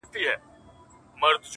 • هغه نن بيا د چا د ياد گاونډى،